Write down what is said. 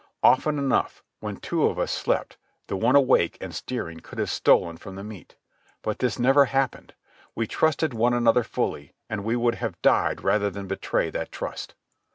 Often enough, when two of us slept, the one awake and steering could have stolen from the meat. But this never happened. We trusted one another fully, and we would have died rather than betray that trust.